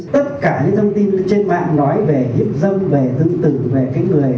tất cả những thông tin trên mạng nói về hiếp dâm về thương tử về cái người